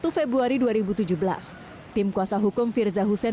satu februari dua ribu tujuh belas tim kuasa hukum firza hussein